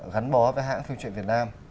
gắn bó với hãng phim truyện việt nam